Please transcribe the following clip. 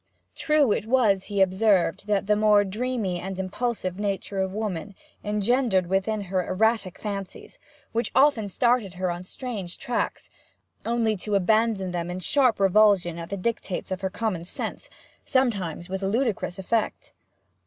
True it was, he observed, that the more dreamy and impulsive nature of woman engendered within her erratic fancies, which often started her on strange tracks, only to abandon them in sharp revulsion at the dictates of her common sense sometimes with ludicrous effect.